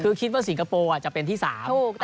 คือคิดว่าสิงคโปร์จะเป็นที่๓เอาอย่างนี้ดีกว่า